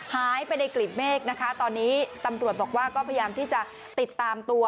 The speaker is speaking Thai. หายไปในกลิ่นเมฆนะคะตอนนี้ตำรวจบอกว่าก็พยายามที่จะติดตามตัว